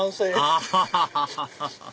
アハハハ！